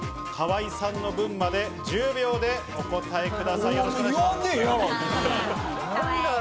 河井さんの分まで１０秒でお答えください。